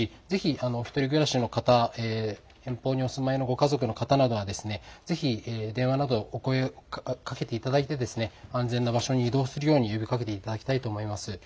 ぜひ１人暮らしの方、遠方にお住まいのご家族の方などはぜひ電話などお声をかけていただいて安全な場所に移動するように呼びかけていただきたいと思います。